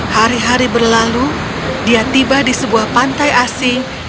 hari hari berlalu dia tiba di sebuah pantai asing